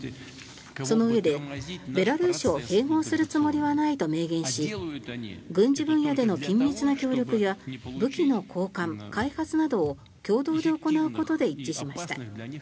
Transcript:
そのうえでベラルーシを併合するつもりはないと明言し軍事分野での緊密な協力や武器の交換・開発などを共同で行うことで一致しました。